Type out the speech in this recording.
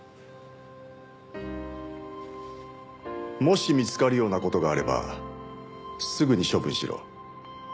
もし見つかるような事があればすぐに処分しろ。